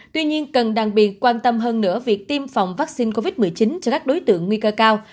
tuy nhiên cần đặc biệt quan tâm hơn nữa việc tiêm phòng vaccine covid một mươi chín cho các đối tượng nguy cơ cao